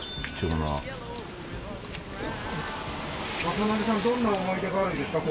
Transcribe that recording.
雅紀さんどんな思い出があるんですか？